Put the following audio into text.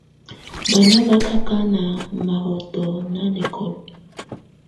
Banà bá kà kanà ù mahɔtɔ nanɛkɔlà.